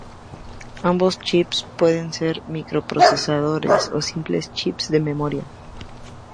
Ambos "chips" pueden ser microprocesadores o simples "chips" de memoria.